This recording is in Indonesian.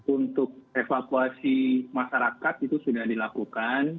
untuk evakuasi masyarakat itu sudah dilakukan